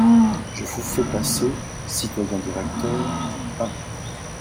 Je vous fais passer, citoyens directeurs, un°.